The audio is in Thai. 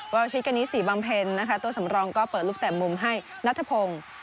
เวลาชิดกะนี้สี่บางเพลนะคะตัวสำรองก็เปิดรูปแต่มุมให้นัทพงศ์